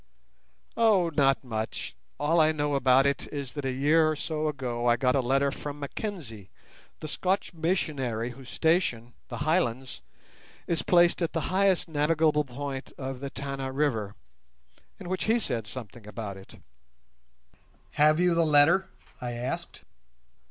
"Oh, not much. All I know about it is that a year or so ago I got a letter from Mackenzie, the Scotch missionary, whose station, 'The Highlands', is placed at the highest navigable point of the Tana River, in which he said something about it." "Have you the letter?" I asked.